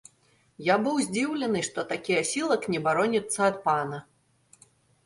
Я быў здзіўлены, што такі асілак не бароніцца ад пана.